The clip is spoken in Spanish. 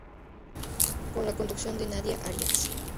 Con la conducción de Nadia Arias.